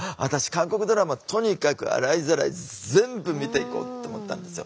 韓国ドラマとにかく洗いざらい全部見ていこう」って思ったんですよ。